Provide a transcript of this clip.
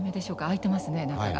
開いてますね中が。